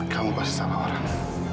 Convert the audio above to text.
kamu pasti salah orang